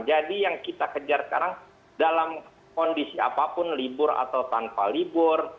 jadi yang kita kejar sekarang dalam kondisi apapun libur atau tanpa libur